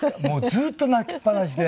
ずっと泣きっぱなしで。